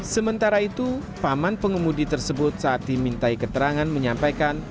sementara itu paman pengemudi tersebut saat dimintai keterangan menyampaikan